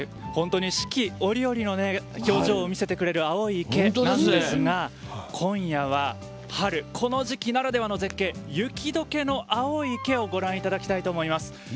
本当に四季折々の表情を見せてくれる青い池なんですが、今夜は春、この時期ならではの絶景雪解けの青い池をご覧いただきたいと思います。